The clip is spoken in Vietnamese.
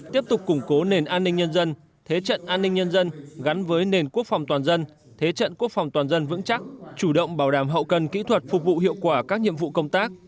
tiếp tục củng cố nền an ninh nhân dân thế trận an ninh nhân dân gắn với nền quốc phòng toàn dân thế trận quốc phòng toàn dân vững chắc chủ động bảo đảm hậu cần kỹ thuật phục vụ hiệu quả các nhiệm vụ công tác